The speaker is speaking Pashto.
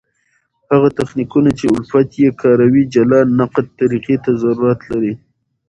هغه تخنیکونه، چي الفت ئې کاروي جلا نقد طریقي ته ضرورت لري.